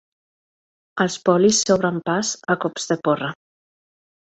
Els polis s'obren pas a cops de porra.